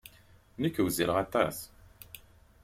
Nekk wezzileɣ aṭas.